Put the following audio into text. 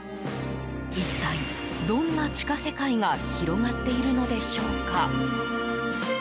一体、どんな地下世界が広がっているのでしょうか。